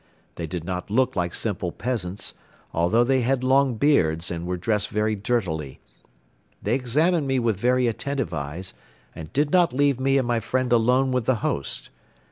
They did not look like simple peasants, although they had long beards and were dressed very dirtily. They examined me with very attentive eyes and did not leave me and my friend alone with the host.